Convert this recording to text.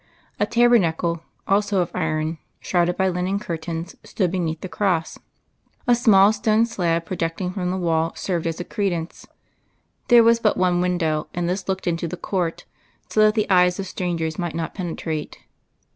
A tabernacle, also of iron, shrouded by linen curtains, stood beneath the cross; a small stone slab projecting from the wall served as a credence. There was but one window, and this looked into the court, so that the eyes of strangers might not penetrate.